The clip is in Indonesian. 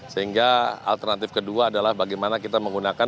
sehingga alternatif kedua adalah bagaimana kita menggunakan